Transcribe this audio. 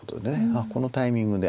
あっこのタイミングで。